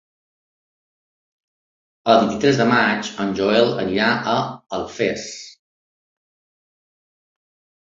El vint-i-tres de maig en Joel anirà a Alfés.